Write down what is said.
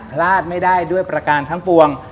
พลาดไม่ได้ด้วยประการทั้งปวง